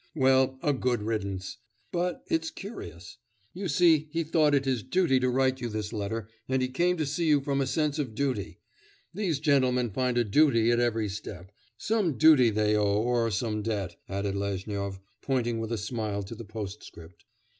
Well, a good riddance! But it's curious: you see he thought it his duty to write you this letter, and he came to see you from a sense of duty... these gentlemen find a duty at every step, some duty they owe... or some debt,' added Lezhnyov, pointing with a smile to the postscript.